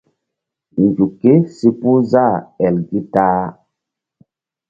Nzuk kési puh zah el gi ta-a.